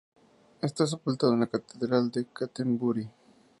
Está sepultado en la catedral de Canterbury.